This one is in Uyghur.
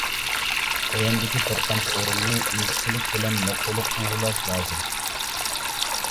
تۆۋەندىكى بىر قانچە ئورۇننى ئىنچىكىلىك بىلەن نۇقتىلىق ئۇۋۇلاش لازىم.